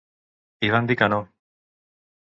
I van dir que no.